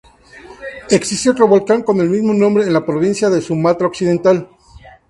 Existe otro volcán con el mismo nombre en la provincia de Sumatra Occidental.